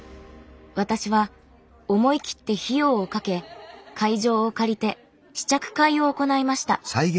私は思い切って費用をかけ会場を借りて試着会を行いました。